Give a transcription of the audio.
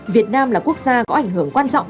việt nam là quốc gia có ảnh hưởng quan trọng cho các nước